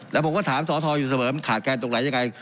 แล้วผมก็ถามสอทรอยู่เสมอมันขาดแคลนตรงไหนยังไง